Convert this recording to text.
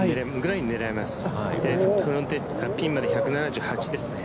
ピンまで１７８ですね。